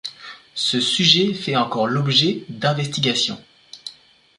Ce sujet fait encore l'objet d'investigations.